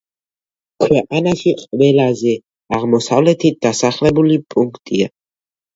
ქვეყანაში ყველაზე აღმოსავლეთით დასახლებული პუნქტია.